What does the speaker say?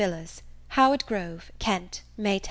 VILLARS Howard Grove, Kent, May 10.